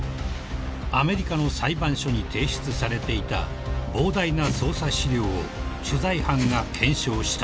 ［アメリカの裁判所に提出されていた膨大な捜査資料を取材班が検証した］